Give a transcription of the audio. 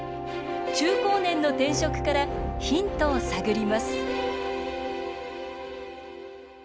中高年の転職からヒントを探ります